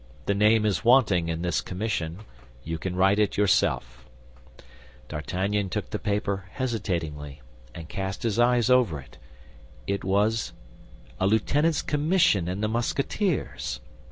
The name is wanting in this commission; you can write it yourself." D'Artagnan took the paper hesitatingly and cast his eyes over it; it was a lieutenant's commission in the Musketeers.